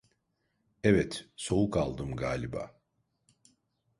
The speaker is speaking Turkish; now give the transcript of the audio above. Evet, soğuk aldım galiba!